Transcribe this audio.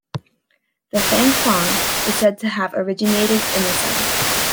The fenghuang is said to have originated in the sun.